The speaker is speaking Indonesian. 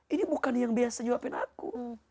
ini bukan yang biasa nyuapin aku